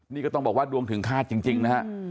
นี่ก็ต้องบอกว่าดวงถึงฆาตจริงนะฮะ